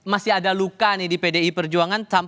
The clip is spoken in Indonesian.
masih ada luka nih di pdi perjuangan